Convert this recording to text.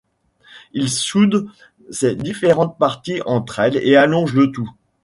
Il soude ces différentes parties entre elles et allonge le tout.